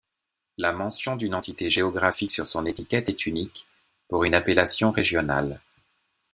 La mention d'une entité géographique sur son étiquette est unique pour une appellation régionale.